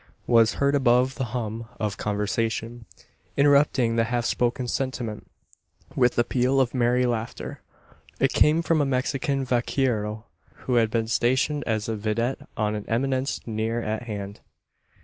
was heard above the hum of conversation, interrupting the half spoken sentiment, with the peal of merry laughter. It came from a Mexican vaquero, who had been stationed as a vidette on an eminence near at hand.